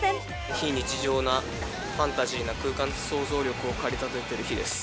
非日常なファンタジーな空間で想像力を駆り立ててる日です。